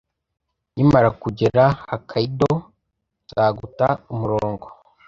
Nkimara kugera Hokkaido, nzaguta umurongo.